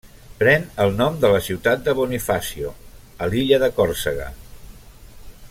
Pren el nom de la ciutat de Bonifacio, a l'illa de Còrsega.